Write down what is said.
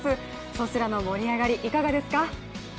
そちらの盛り上がり、いかがですか？